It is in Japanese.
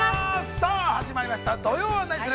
さあ始まりました、「土曜はナニする！？」。